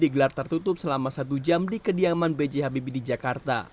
digelar tertutup selama satu jam di kediaman b j habibie di jakarta